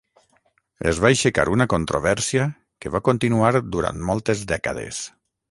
Es va aixecar una controvèrsia que va continuar durant moltes dècades.